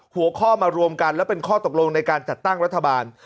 หัวข้อมารวมกันและเป็นข้อตกลงในการจัดตั้งรัฐบาล